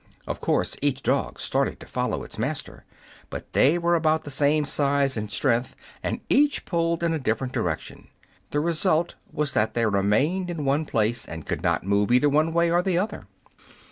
Of course each dog started to follow its master; but as they were about the same size and strength, and each pulled in a different direction, the result was that they remained in one place, and could not move either one way or the other.